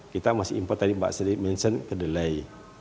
kita masih import tadi mbak desi menyebutkan ke delay